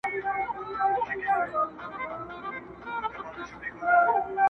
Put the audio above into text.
نن ده ظلــــــــم او ده صــــــــــبر مقابلـــــــه ده